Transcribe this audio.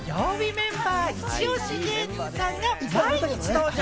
メンバーイチオシ芸人さんが毎日登場。